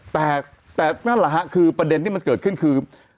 แต่นั่นแหละฮะคือประเด็นที่มันเกิดขึ้นคือ